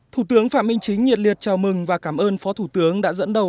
thủ tướng phạm minh chính nhiệt liệt chào mừng và cảm ơn phó thủ tướng đã dẫn đầu